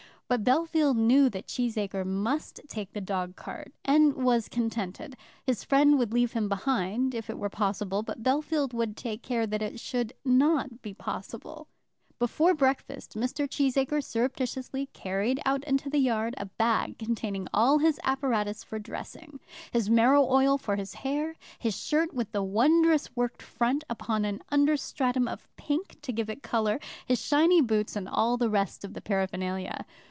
But Bellfield knew that Cheesacre must take the dog cart, and was contented. His friend would leave him behind, if it were possible, but Bellfield would take care that it should not be possible. Before breakfast Mr. Cheesacre surreptitiously carried out into the yard a bag containing all his apparatus for dressing, his marrow oil for his hair, his shirt with the wondrous worked front upon an under stratum of pink to give it colour, his shiny boots, and all the rest of the paraphernalia.